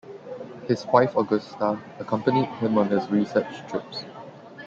His wife, Augusta, accompanied him on his research trips.